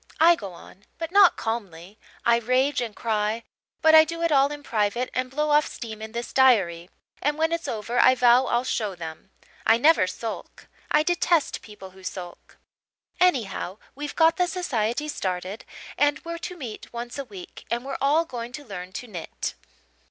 I go on but not calmly I rage and cry but I do it all in private and blow off steam in this diary; and when it's over I vow I'll show them. I never sulk. I detest people who sulk. Anyhow, we've got the society started and we're to meet once a week, and we're all going to learn to knit.